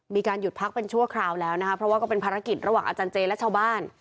มีการหยุดพักเป็นชั่วคราวแล้วนะคะเพราะว่าก็เป็นภารกิจระหว่างอาจารย์เจและชาวบ้าน